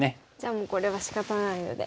もうこれはしかたないので取りますか。